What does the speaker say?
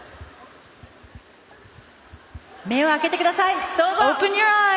目を開けてください！